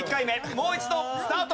もう一度スタート。